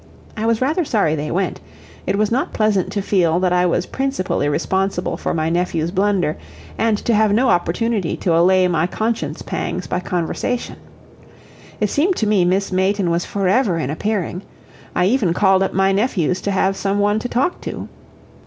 I was rather sorry they went; it was not pleasant to feel that I was principally responsible for my nephews' blunder, and to have no opportunity to allay my conscience pangs by conversation. It seemed to me Miss Mayton was forever in appearing; I even called up my nephews to have some one to talk to.